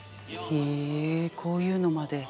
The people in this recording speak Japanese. へえこういうのまで。